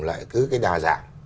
lại cứ cái đa dạng